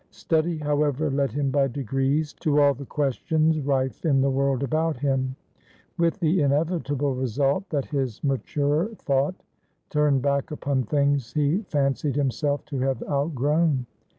Study, however, led him by degrees to all the questions rife in the world about him; with the inevitable result that his maturer thought turned back upon things he fancied himself to have outgrown.